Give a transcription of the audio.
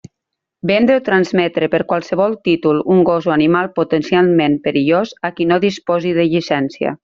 Vendre o transmetre per qualsevol títol un gos o animal potencialment perillós a qui no disposi de llicència.